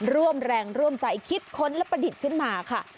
ร่วมแรงร่วมใจคิดค้นและประดิษฐ์ขึ้นมาค่ะ